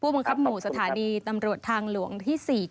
บังคับหมู่สถานีตำรวจทางหลวงที่๔